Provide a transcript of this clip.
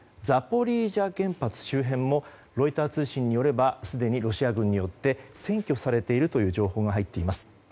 ザポリージャ原発周辺もロイター通信によればすでにロシア軍によって占拠されているという情報が入っています。